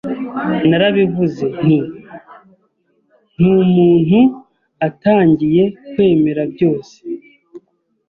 Narabivuze, nti ntumuntu atangiye kwemera byose,